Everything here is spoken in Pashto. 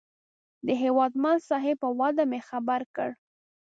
د هیوادمل صاحب په وعده مې خبر کړ.